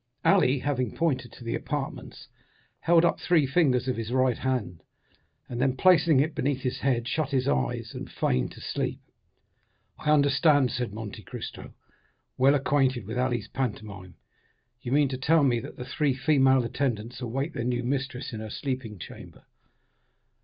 Ali, having pointed to the apartments, held up three fingers of his right hand, and then, placing it beneath his head, shut his eyes, and feigned to sleep. "I understand," said Monte Cristo, well acquainted with Ali's pantomime; "you mean to tell me that three female attendants await their new mistress in her sleeping chamber."